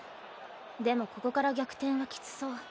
でもここから逆転はきつそう。